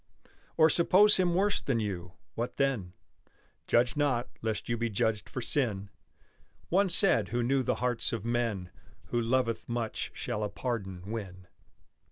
Or suppose him worse than you; what then? Judge not, lest you be judged for sin! One said who knew the hearts of men: Who loveth much shall a pardon win.